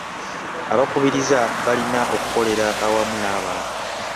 Abakubiriza balina okukolera awamu n'abantu.